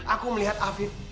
aku melihat afif